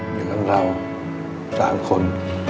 เดี๋ยวกับเราสามคน